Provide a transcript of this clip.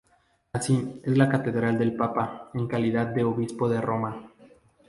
Así, es la catedral del Papa en calidad de Obispo de Roma.